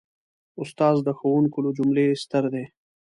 استاد د ښوونکو له جملې ستر دی.